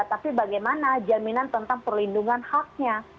tapi bagaimana jaminan tentang perlindungan haknya